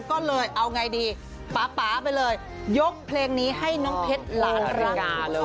ก็เลยเอาไงดีป๊าไปเลยยกเพลงนี้ให้น้องเพชรหลานรังกาเลย